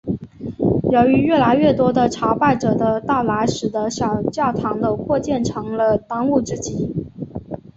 由于越来越多的朝拜者的到来使的小教堂的扩建成了当务之急。